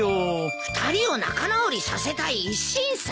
２人を仲直りさせたい一心さ。